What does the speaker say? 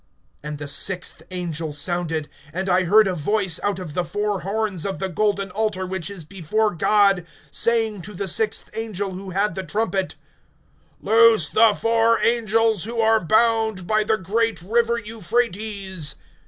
(13)And the sixth angel sounded; and I heard a voice out of the four horns of the golden altar which is before God, (14)saying to the sixth angel who had the trumpet: Loose the four angels who are bound, by the great river Euphrates.